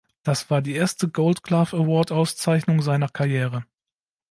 Das war die erste Gold Glove Award Auszeichnung seiner Karriere.